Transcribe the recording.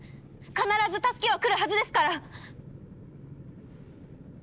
必ず助けは来るはずですから！